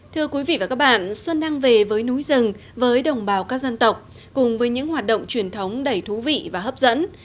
thưa quý vị và các bạn xuân đang về với núi rừng với đồng bào các dân tộc cùng với những hoạt động truyền thống đầy thú vị và hấp dẫn